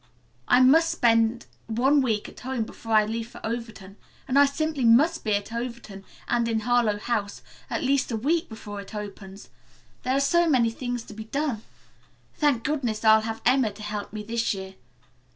"I must spend one week at home before I leave for Overton, and I simply must be at Overton, and in Harlowe House, at least a week before it opens. There are so many things to be done. Thank goodness, I'll have Emma to help me this year.